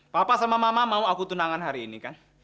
papa sama mama mau aku tunangan hari ini kan